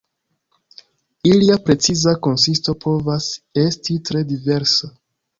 Ilia preciza konsisto povas esti tre diversa.